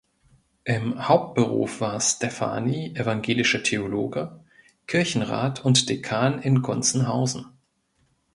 Im Hauptberuf war Stephani evangelischer Theologe, Kirchenrat und Dekan in Gunzenhausen.